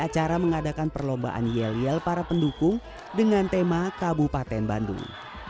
acara mengadakan perlombaan yel yel para pendukung dengan tema kabupaten bandung